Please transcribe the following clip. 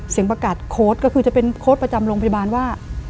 ประกาศโค้ดก็คือจะเป็นโค้ดประจำโรงพยาบาลว่า